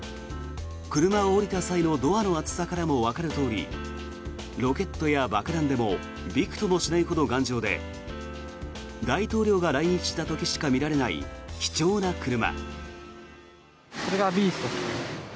車を降りた際のドアの厚さからもわかるとおりロケットや爆弾でもびくともしないほど頑丈で大統領が来日した時しか見られない貴重な車。